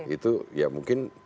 itu ya mungkin